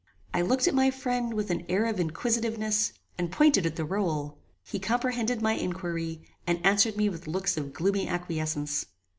I looked at my friend with an air of inquisitiveness, and pointed at the roll. He comprehended my inquiry, and answered me with looks of gloomy acquiescence.